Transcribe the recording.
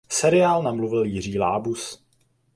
Seriál namluvil Jiří Lábus.